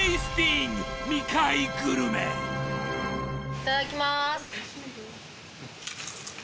いただきます。